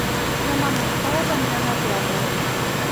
Demà mons pares aniran al teatre.